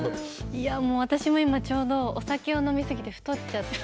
いやもう私も今ちょうどお酒を飲み過ぎて太っちゃって。